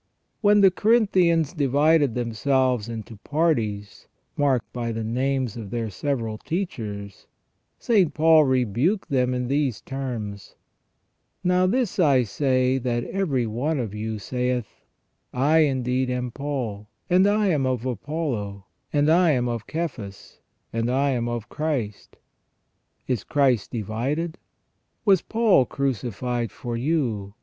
When the Corinthians divided themselves into parties, marked by the names of their several teachers, St. Paul rebuked them in these terms :" Now this I say that every one of you saith: I indeed am of Paul; and I am of Apollo; and I am of THE REGENERATION OF MAN. 359 Cephas; and I am of Christ. Is Christ divided ? Was Paul crucified for you